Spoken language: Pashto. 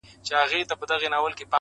اوس ماشومان له تاریخونو سره لوبي کوي،